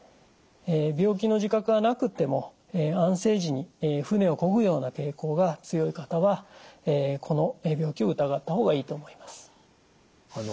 病気の自覚がなくても安静時に船をこぐような傾向が強い方はこの病気を疑った方がいいと思います。